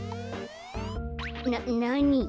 ななに？